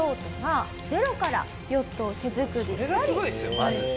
まず。